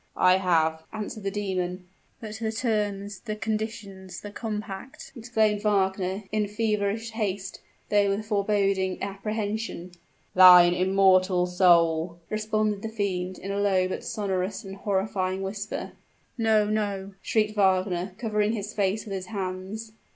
"I have," answered the demon. "But the terms the conditions the compact!" exclaimed Wagner, in feverish haste, though with foreboding apprehension. "THINE IMMORTAL SOUL!" responded the fiend, in a low but sonorous and horrifying whisper. "No no!" shrieked Wagner, covering his face with his hands.